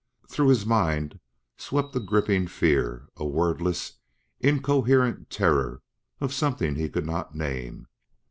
Through his mind swept a gripping fear, a wordless, incoherent terror of something he could not name.